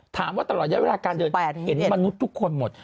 ถามว่าตลอดเวลาการเดินเห็นมนุษย์ทุกคนหมด